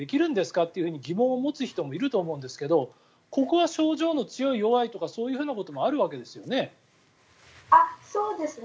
って疑問を持つ人もいると思うんですがここは症状の強い、弱いということもあるわけですよね？